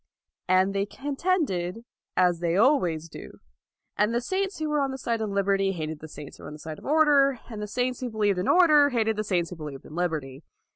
And they contended, as they always do. And the saints who were on the side of liberty hated the saints who were on the side of order; and the saints who believed in order hated the saints who believed in liberty.